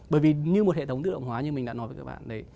bởi vì như một hệ thống tự động hóa như mình đã nói với các bạn đấy